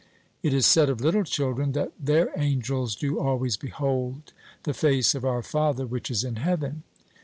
It is said of little children, that "their angels do always behold the face of our Father which is in heaven."